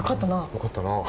よかったなあ。